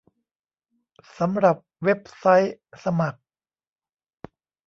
สำหรับเว็บไซต์สมัคร